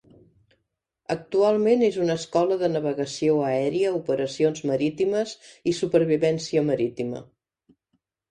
Actualment és una escola de navegació aèria, operacions marítimes i supervivència marítima.